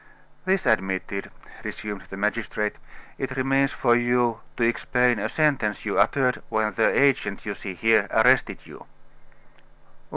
"This admitted," resumed the magistrate, "it remains for you to explain a sentence you uttered when the agent you see here arrested you."